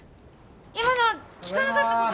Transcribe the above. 今のは聞かなかったことに。